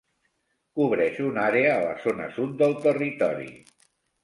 Cobreix un àrea a la zona sud del territori.